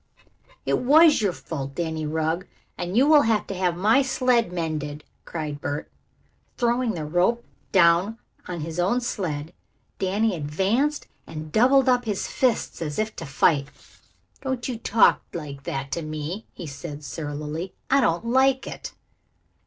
"It was your fault, Danny Rugg, and you will have to have my sled mended," cried Bert. Throwing down the rope of his own sled, Danny advanced and doubled up his fists as if to fight. "Don't you talk like that to me," he said surlily. "I don't like it."